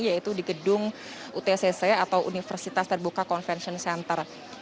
yaitu di gedung utcc atau universitas terbuka convention center